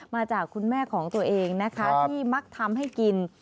มาจากคุณแม่ของตัวเองนะคะที่มักทำให้กิน